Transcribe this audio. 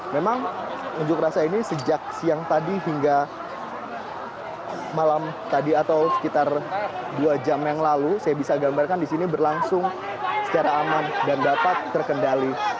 memang unjuk rasa ini sejak siang tadi hingga malam tadi atau sekitar dua jam yang lalu saya bisa gambarkan di sini berlangsung secara aman dan dapat terkendali